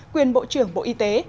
quyền bộ trưởng bộ y tế